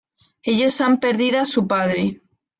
Ellos han perdido a su padre.